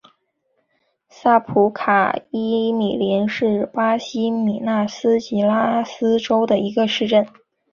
萨普卡伊米林是巴西米纳斯吉拉斯州的一个市镇。